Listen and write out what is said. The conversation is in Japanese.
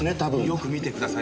よく見てください